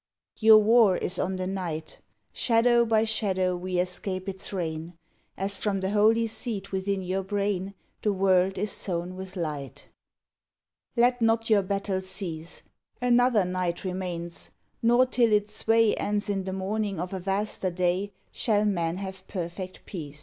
Your war is on the night: Shadow by shadow we escape its reign, As from the holy seed within your brain The world is sown with light. Let not your battle cease ! Another Night remains, nor till its sway Ends in the morning of a vaster Day Shall men have perfect peace.